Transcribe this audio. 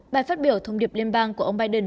bài phát biểu thông điệp liên bang của ông biden